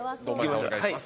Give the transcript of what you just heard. お願いします。